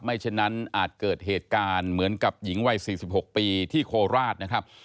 ฉะนั้นอาจเกิดเหตุการณ์เหมือนกับหญิงวัย๔๖ปีที่โคราชนะครับ